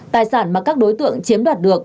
tài sản mà các đối tượng chiếm đoạt được